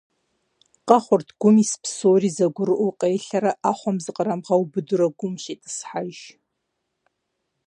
Къэхъурт гум ис псори зэгурыӀуэу къелъэрэ Ӏэхъуэм зыкърамыгъэубыдурэ гум щитӀысхьэж.